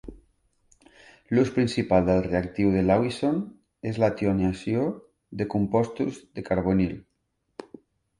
L'ús principal del reactiu de Lawesson és la tionació de compostos de carbonil.